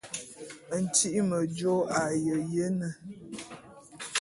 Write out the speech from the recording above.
Ntyi'i mejô a ye jene.